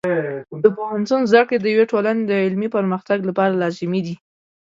د پوهنتون زده کړې د یوې ټولنې د علمي پرمختګ لپاره لازمي دي.